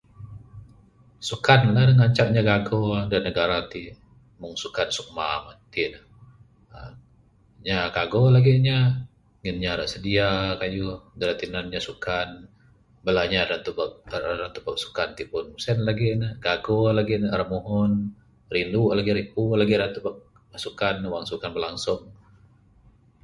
Sukan ne ngancak inya gago da negara ti Meng sukan sukma iti ne. Inya gago lagih inya ngin ne sedia kayuh da tinan inya sukan. Bala inya da Ra tubek sukan ti pun sien lagih ne gago lagih ne ra muhun. Riru lagih ripu lagih tubek sukan wang sukan berlangsung